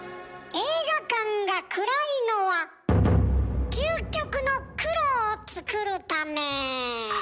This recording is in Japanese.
映画館が暗いのは究極の黒を作るため。